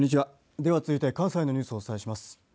では続いて関西のニュースをお伝えします。